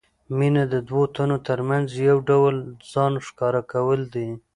مینه د دوو تنو ترمنځ یو ډول ځان ښکاره کول دي.